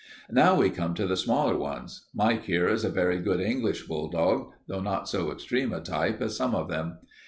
"Now we come to the smaller ones. Mike here is a very good English bulldog, though not so extreme a type as some of them.